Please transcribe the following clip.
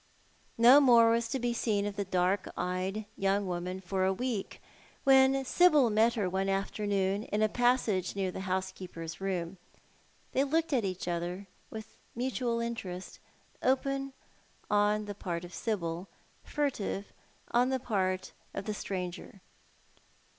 No more was seen of the dark eyed young woman for a week, when Sibyl met her one afternoon in a passage near the house keeper's room. They looked at each other with mutual interest, open on the part of Sibyl, furtive on the part of the stranger.